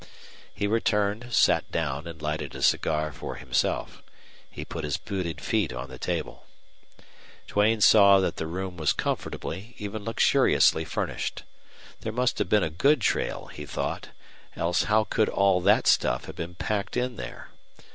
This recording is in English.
He returned, sat down, and lighted a cigar for himself. He put his booted feet on the table. Duane saw that the room was comfortably, even luxuriously furnished. There must have been a good trail, he thought, else how could all that stuff have been packed in there.